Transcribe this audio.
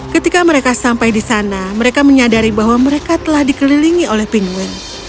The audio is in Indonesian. ketika mereka sampai di sana mereka menyadari bahwa mereka telah dikelilingi oleh penuin